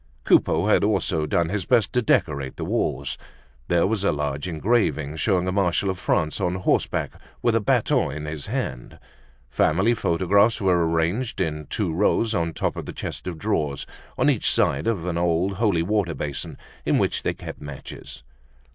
Coupeau had also done his best to decorate the walls. There was a large engraving showing a marshal of France on horseback with a baton in his hand. Family photographs were arranged in two rows on top of the chest of drawers on each side of an old holy water basin in which they kept matches.